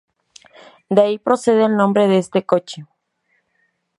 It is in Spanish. De ahí procede el nombre de este coche.